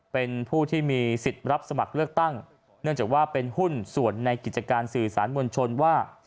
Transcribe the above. เป็นผู้ที่มีสิทธิ์รับสมัครเลือกตั้งเนื่องจากว่าเป็นหุ้นส่วนในกิจการสื่อสารมวลชนว่า